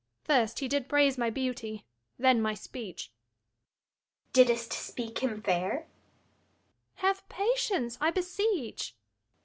First he did praise my beauty, then my speech. 15 Adr. Didst speak him fair? Luc. Have patience, I beseech.